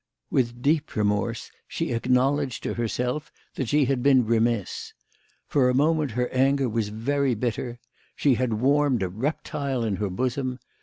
With deep remorse she acknowledged to herself that she had been remiss. For a moment her anger was very bitter. She had warmed a reptile in her bosom.